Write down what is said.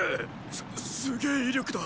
すすげェ威力だ！